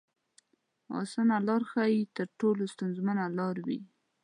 اسانه لار ښايي تر ټولو ستونزمنه لار وي.